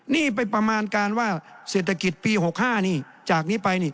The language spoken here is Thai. นี่ไปประมาณการว่าเศรษฐกิจปี๖๕นี่จากนี้ไปนี่